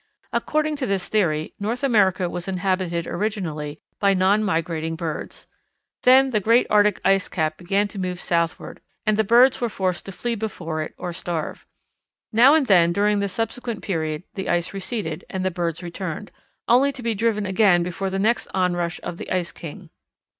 According to this theory North America was inhabited originally by non migrating birds. Then the great Arctic ice cap began to move southward and the birds were forced to flee before it or starve. Now and then during the subsequent period the ice receded and the birds returned, only to be driven again before the next onrush of the Ice King.